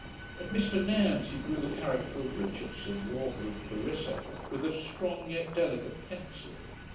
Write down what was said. At Mr Nairne's, he drew the character of Richardson, the author of Clarissa, with a strong yet delicate pencil.